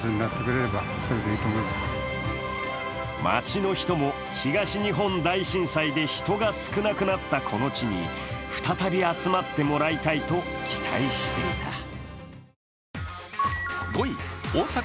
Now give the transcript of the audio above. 街の人も東日本大震災で人が少なくなったこの地に、再び集まってもらいたいと期待していた。